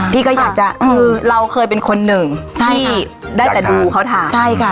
พี่ก็อยากจะคือเราเคยเป็นคนหนึ่งใช่ได้แต่ดูเขาถ่ายใช่ค่ะ